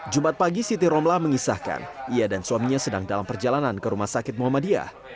jumat pagi siti romlah mengisahkan ia dan suaminya sedang dalam perjalanan ke rumah sakit muhammadiyah